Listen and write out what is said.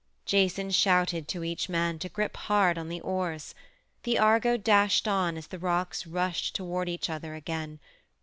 Jason shouted to each man to grip hard on the oars. The Argo dashed on as the rocks rushed toward each other again.